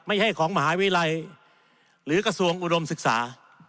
ไม่ใช่ของมหาวิทยาลัยหรือกระทรวงอุดมศึกษา